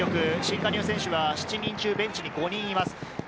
新加入選手は７人中、ベンチに５人います。